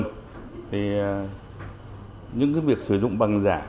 thì những cái việc sử dụng bằng giá những cái việc sử dụng bằng giá